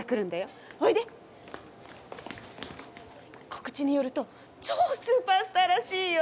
告知によると超スーパースターらしいよ。